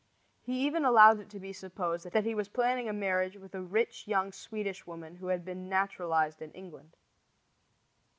He even allowed it to be supposed that he was planning a marriage with a rich young Swedish woman who had been naturalized in England.